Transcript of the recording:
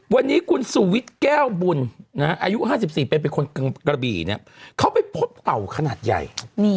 วันนี้คุณสุวิทย์แก้วบุญอายุ๕๔ปีเป็นคนกระบี่เขาไปพบเต่าขนาดใหญ่